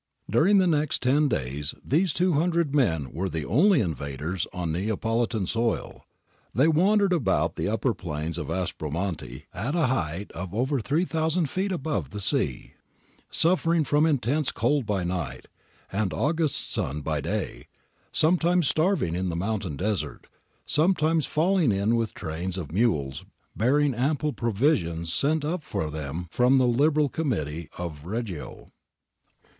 During the next ten days these 200 men were the only invaders on Neapolitan soil. They wandered about the upper plains of Aspromonte at a height of over 3000 feet above the sea, suffering from intense cold by night and August sun by day, sometimes starving in the mountain desert, sometimes falling in with trains of mules bearing ample provisions sent up for them from the Liberal Committee of Reggio.